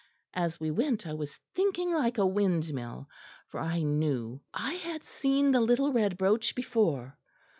As we went I was thinking like a windmill; for I knew I had seen the little red brooch before.